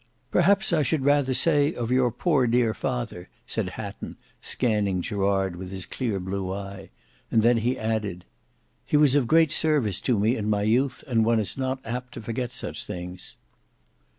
"Perhaps I should rather say of your poor dear father," said Hatton, scanning Gerard with his clear blue eye, and then he added, "He was of great service to me in my youth, and one is not apt to forget such things."